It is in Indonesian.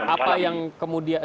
apa yang kemudian